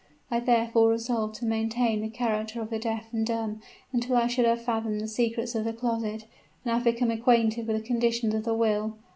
I therefore resolved to maintain the character of the deaf and dumb until I should have fathomed the secrets of the closet, and have become acquainted with the conditions of the will.